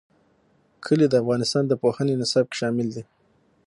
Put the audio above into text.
کلي د افغانستان د پوهنې نصاب کې شامل دي.